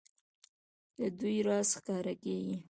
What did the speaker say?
د دوی راز ښکاره کېږي.